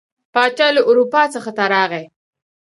پاچا له اروپا څخه ته راغی.